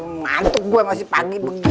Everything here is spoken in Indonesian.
ngantuk gua masih pagi begini ya